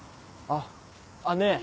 あっねぇ。